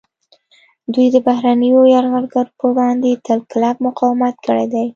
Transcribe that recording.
دوی د بهرنیو یرغلګرو پر وړاندې تل کلک مقاومت کړی دی